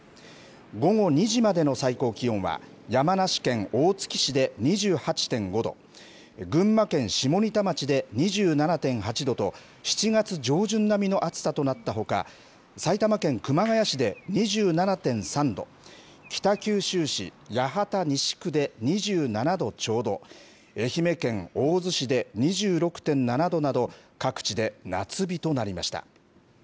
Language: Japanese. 午後２時までの最高気温は、山梨県大月市で２８．５度、群馬県下仁田町で２７．８度と、７月上旬並みの暑さとなったほか、埼玉県熊谷市で２７．３度、北九州市八幡西区で２７度ちょうど、愛媛県大洲市で２６．７度など、各地で夏日となりました。